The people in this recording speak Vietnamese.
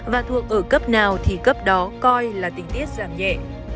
và thuộc ở cấp nào thì cấp đó coi là tình tiết giảm nhẹ